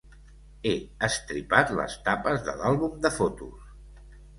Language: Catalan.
He estripat les tapes de l'àlbum de fotos.